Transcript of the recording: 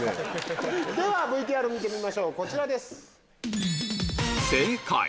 ではＶＴＲ見てみましょうこちらです。